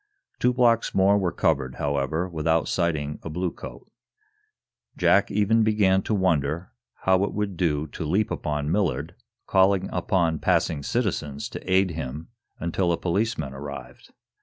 Two blocks more were covered, however, without sighting a bluecoat. Jack even began to wonder how it would do to leap upon Millard, calling upon passing citizens to aid him until a policeman arrived.